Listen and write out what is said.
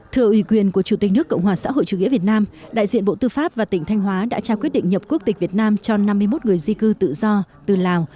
thưa ủy quyền của chủ tịch nước cộng hòa xã hội chủ nghĩa việt nam đại diện bộ tư pháp và tỉnh thanh hóa đã trao quyết định nhập quốc tịch việt nam cho năm mươi một người di cư tự do từ lào